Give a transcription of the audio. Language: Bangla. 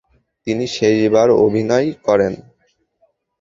তিনি শেষবার অভিনয় করেন ।